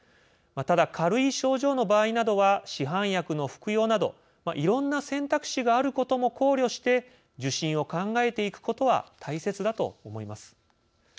ただ、軽い症状の場合などは市販薬の服用などいろんな選択肢があることも考慮して受診を考えていくことは大切だと思います。